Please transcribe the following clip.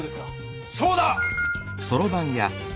そうだ！